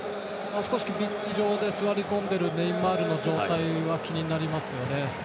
ピッチ上で座り込んでいるネイマールの状態が気になりますよね。